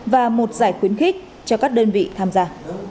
và một giải khuyến khích cho các đơn vị tham gia